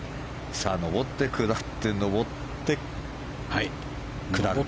上って、下って、上って、下る。